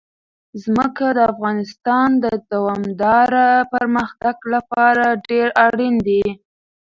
ځمکه د افغانستان د دوامداره پرمختګ لپاره ډېر اړین دي.